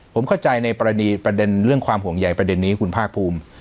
ผมเข้าใจในประเด็นเรื่องความห่วงใหญ่ประเด็นนี้คุณภาคภูมิ